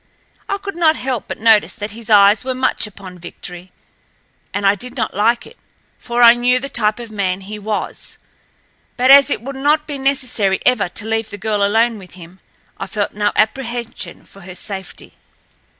I could not help but notice that his eyes were much upon Victory, and I did not like it, for I knew the type of man he was. But as it would not be necessary ever to leave the girl alone with him I felt no apprehension for her safety.